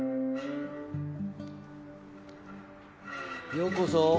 ようこそ。